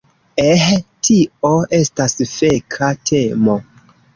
Eh, tio estas feka temo.